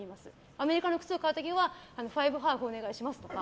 アメリカの靴を買う時はファイブハーフお願いしますとか。